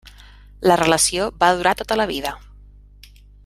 La relació va durar tota la vida.